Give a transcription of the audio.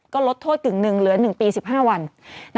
ก็ลดโทษกึ่งหนึ่งเหลือ๑ปี๑๕วัน